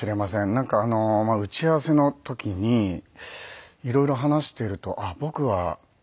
なんか打ち合わせの時に色々話しているとあっ僕は。